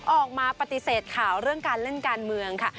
ออกมาปฏิเสธข่าวเรื่องการเล่นการเมืองค่ะ